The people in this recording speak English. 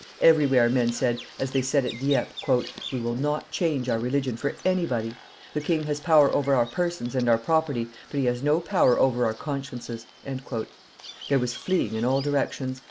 Everywhere men said, as they said at Dieppe, "We will not change our religion for anybody; the king has power over our persons and our property, but he has no power over our consciences." There was fleeing in all directions.